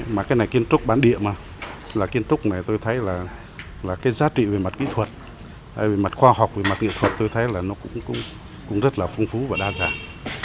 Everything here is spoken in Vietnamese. mà cái này kiên trúc bán địa mà là kiên trúc này tôi thấy là cái giá trị về mặt kỹ thuật về mặt khoa học về mặt nghệ thuật tôi thấy là nó cũng rất là phung phú và đa dạng